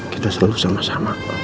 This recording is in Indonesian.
kita selalu sama sama